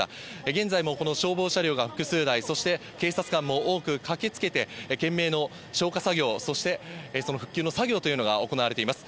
現在もこの消防車両が複数台、そして警察官も多く駆けつけて、懸命の消火作業、そしてその復旧の作業というのが行われています。